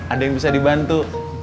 ada yang bisa dibantu